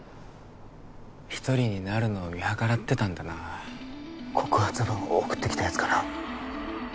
１人になるのを見計らってたんだな告発文を送ってきたやつかな？